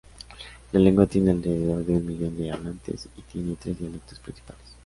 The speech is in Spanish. La lengua tiene alrededor de un millón de hablantes y tiene tres dialectos principales.